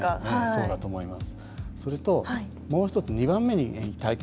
そうだと思います。